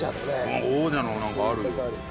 うん王者のなんかある。